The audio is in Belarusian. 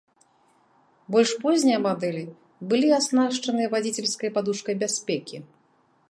Больш познія мадэлі былі аснашчаны вадзіцельскай падушкай бяспекі.